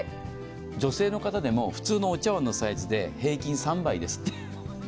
女性の方でも、普通のお茶碗のサイズで平均３杯ですって。